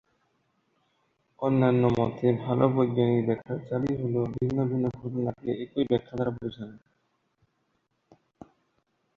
অন্যান্য মতে, ভাল বৈজ্ঞানিক ব্যাখ্যার চাবি হল ভিন্ন ভিন্ন ঘটনাকে একই ব্যাখ্যা দ্বারা বোঝানো।